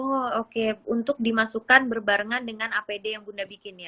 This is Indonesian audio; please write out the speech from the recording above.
oh oke untuk dimasukkan berbarengan dengan apd yang bunda bikin ya